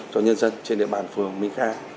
cho nhân dân trên địa bàn phường mỹ khai